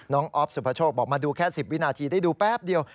ออฟสุภโชคบอกมาดูแค่๑๐วินาทีได้ดูแป๊บเดียว